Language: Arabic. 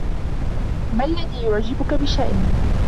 ما الذي يعجبك بشأني؟